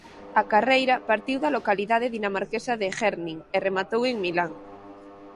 A carreira partiu da localidade dinamarquesa de Herning e rematou en Milán.